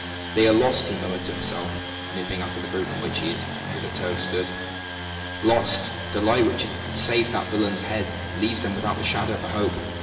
"They are lost," he murmured to himself, moving out of the group in which he had hitherto stood. "Lost! The lie which has saved that villain's head leaves them without the shadow of a hope.